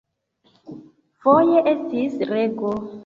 Foje estis rego.